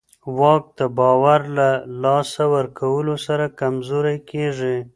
واک د باور له لاسه ورکولو سره کمزوری کېږي.